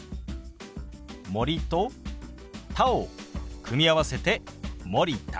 「森」と「田」を組み合わせて「森田」。